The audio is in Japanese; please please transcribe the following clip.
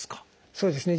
そうですね